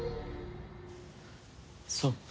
そっか。